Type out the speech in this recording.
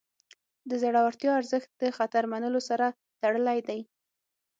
د زړورتیا ارزښت د خطر منلو سره تړلی دی.